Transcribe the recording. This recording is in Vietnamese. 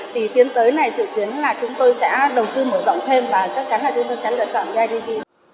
thì tiến tới này dự kiến là chúng tôi sẽ đầu tư mở rộng thêm và chắc chắn là chúng tôi sẽ lựa chọn bidv